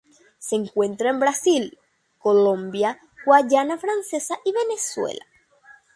Se encuentra en Brasil, Colombia, Guayana francesa y Venezuela.